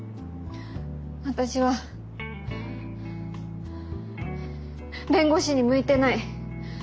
私は弁護士に向いてない。